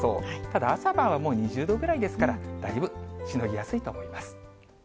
ただ、朝晩はもう２０度ぐらいですから、だいぶしのぎやすいと思います。